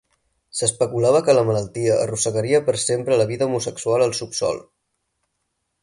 S'especulava que la malaltia arrossegaria per sempre la vida homosexual al subsol.